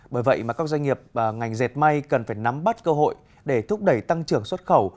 bởi vậy mà các doanh nghiệp và ngành dệt may cần phải nắm bắt cơ hội để thúc đẩy tăng trưởng xuất khẩu